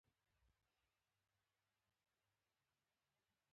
دا نومونه د مغرضانو تخیل زېږولي دي.